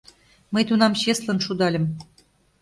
Мый тунам чеслын шудальым.